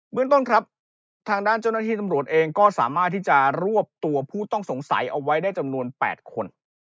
เมืองต้นครับทางด้านเจ้าหน้าที่ตำรวจเองก็สามารถที่จะรวบตัวผู้ต้องสงสัยเอาไว้ได้จำนวน๘คน